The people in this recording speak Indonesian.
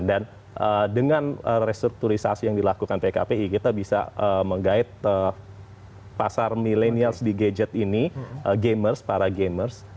dan dengan restrukturisasi yang dilakukan pkpi kita bisa menggayat pasar millennials di gadget ini gamers para gamers